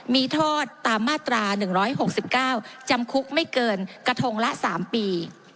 มีโทษตามมาตรา๑๖๙จำคุกไม่เกินกระทงละ๓ปี